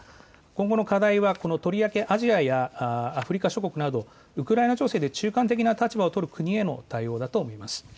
今後の課題は、アジアやアフリカ諸国などウクライナ情勢で中間的な立場を取る国への対応だと思います。